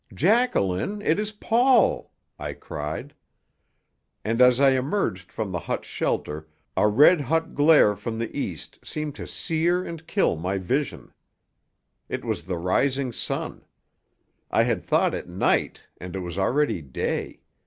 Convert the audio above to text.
"Jacqueline! It is Paul!" I cried. And as I emerged from the hut's shelter a red hot glare from the east seemed to sear and kill my vision. It was the rising sun. I had thought it night, and it was already day.